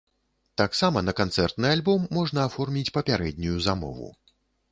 Таксама на канцэртны альбом можна аформіць папярэднюю замову.